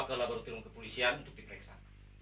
ke laboratorium kepolisian untuk diperiksa